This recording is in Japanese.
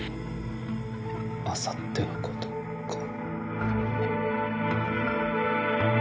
あさってのことか。